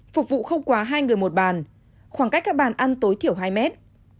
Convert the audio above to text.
phục vụ không quá hai người một bàn khoảng cách các bàn ăn tối thiểu hai mét